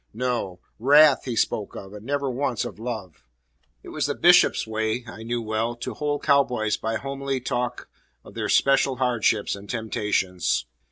No; wrath he spoke of, and never once of love. It was the bishop's way, I knew well, to hold cow boys by homely talk of their special hardships and temptations.